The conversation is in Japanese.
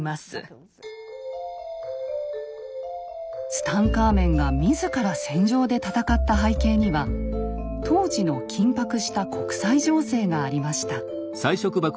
ツタンカーメンが自ら戦場で戦った背景には当時の緊迫した国際情勢がありました。